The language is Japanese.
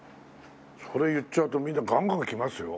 それ言っちゃうとみんなガンガン来ますよ。